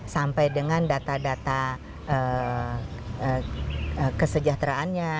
sampai dengan data data kesejahteraannya